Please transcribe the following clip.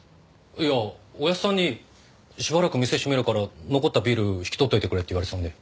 いやおやっさんにしばらく店閉めるから残ったビール引き取っといてくれって言われてたんで。